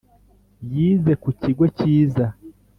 Yize kukigo cyiza